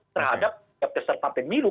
terhadap peserta penilu